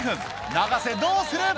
永瀬どうする？